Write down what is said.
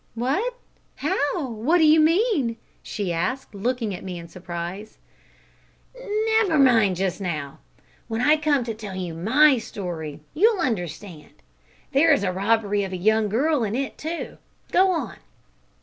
"What! How? What do you mean?" she asked, looking at me in surprise. "Never mind just now. When I come to tell you my story you will understand. There is a robbery of a young girl in it too. Go on.